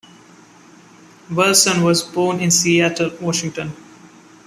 Burleson was born in Seattle, Washington.